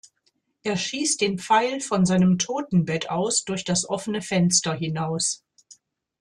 Er schießt den Pfeil von seinem Totenbett aus durch das offene Fenster hinaus.